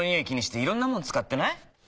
気にしていろんなもの使ってない？